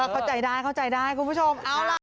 เข้าใจได้คุณผู้ชม